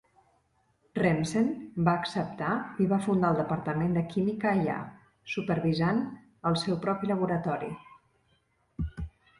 Remsen va acceptar i va fundar el departament de química allà, supervisant el seu propi laboratori.